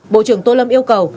bộ trưởng tô lâm yêu cầu